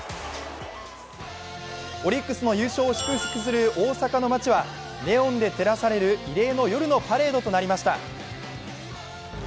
オリックスの優勝を祝福する大阪の街はネオンで照らされる異例の夜のパレードとなりました。